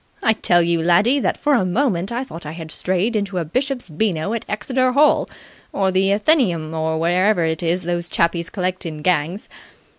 I tell you, laddie, that for a moment I thought I had strayed into a Bishop's Beano at Exeter Hall or the Athenaeum or wherever it is those chappies collect in gangs.